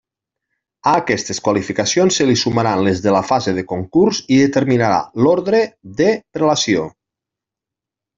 A aquestes qualificacions se li sumaran les de la fase de concurs i determinarà l'ordre de prelació.